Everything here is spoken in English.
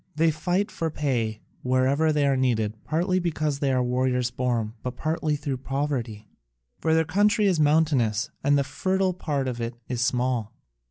They fight for pay wherever they are needed, partly because they are warriors born, but partly through poverty; for their country is mountainous, and the fertile part of it small.